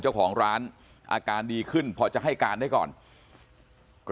จังหวะนั้นได้ยินเสียงปืนรัวขึ้นหลายนัดเลย